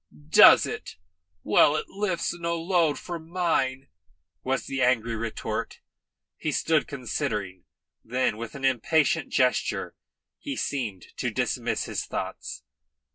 "Does it? Well, it lifts no load from mine," was the angry retort. He stood considering. Then with an impatient gesture he seemed to dismiss his thoughts.